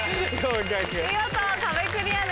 見事壁クリアです。